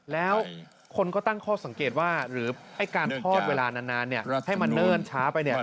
แล้วคนก็ตั้งข้อสังเกตว่าหรือการทอดเวลานานให้มันเนิ่นช้าไป